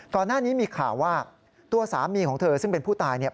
ก่อนหน้านี้มีข่าวว่าตัวสามีของเธอซึ่งเป็นผู้ตายเนี่ย